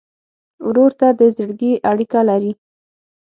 ورور ته د زړګي اړیکه لرې.